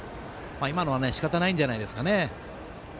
今のはしかたないんじゃないですかね。